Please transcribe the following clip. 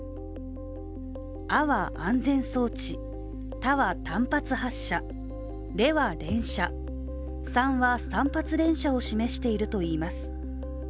アは安全装置、タは単発発射レは連射、３は３発連射を示しているといいます。